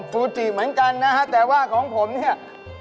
ฟูจิเหมือนกันนะฮะแต่ว่าของผมเนี่ย